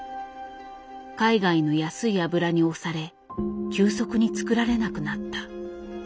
海外の安い油に押され急速に作られなくなった。